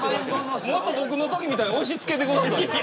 もっと僕のときみたいに押し付けてください。